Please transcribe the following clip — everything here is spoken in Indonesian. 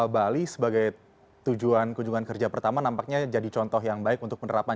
bali sebagai tujuan kunjungan kerja pertama nampaknya jadi contoh yang baik untuk penerapan